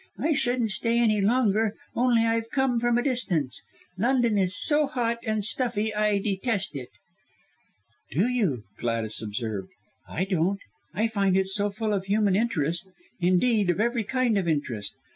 I shouldn't stay any longer, only I've come from a distance. London is so hot and stuffy, I detest it." "Do you?" Gladys observed. "I don't. I find it so full of human interest indeed, of every kind of interest.